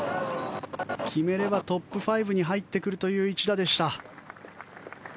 決めればトップ５に入ってくるという一打でした。